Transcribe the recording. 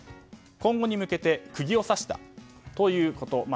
今後に向けて釘を刺したということ。